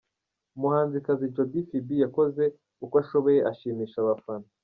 Umuhanzikazi Jody Phibi yakoze uko ashoboye ashimisha abafana:.